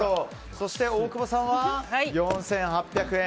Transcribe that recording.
そして大久保さんは４８００円。